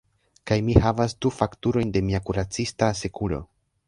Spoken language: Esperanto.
Kaj mi havas du fakturojn de mia kuracista asekuro.